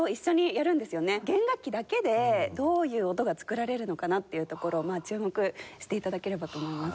弦楽器だけでどういう音が作られるのかなっていうところを注目して頂ければと思います。